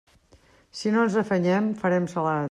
Si no ens afanyem, farem salat.